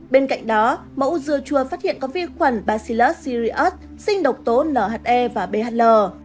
bên cạnh đó mẫu dưa chua phát hiện có vi khuẩn bacillus cereus sinh độc tố nhe và bhl